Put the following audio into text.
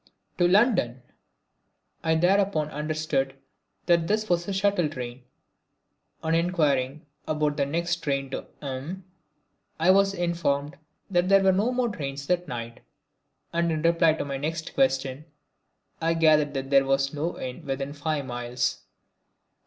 "To London." I thereupon understood that this was a shuttle train. On inquiring about the next train to I was informed that there were no more trains that night. And in reply to my next question I gathered that there was no inn within five miles.